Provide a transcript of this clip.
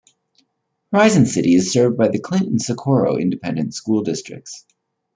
Horizon City is served by the Clint and Socorro Independent School Districts.